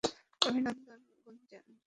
অভিনন্দন, গুঞ্জান!